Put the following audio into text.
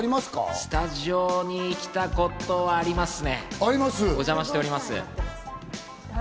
スタジオに来たことありますね？